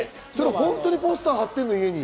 本当に家にポスター貼ってるの？